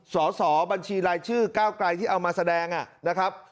สอสอบัญชีรายชื่อก้าวไกลที่เอามาแสดงนะครับ